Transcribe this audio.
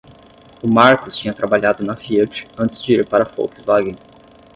O Marcus tinha trabalhado na Fiat antes de ir para a Volkswagen.